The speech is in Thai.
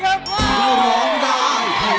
คุณเต้ร้องได้